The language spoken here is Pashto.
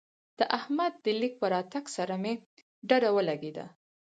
د احمد د ليک په راتګ سره مې ډډه ولګېده.